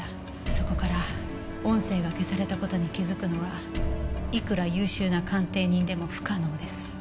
そこから音声が消された事に気づくのはいくら優秀な鑑定人でも不可能です。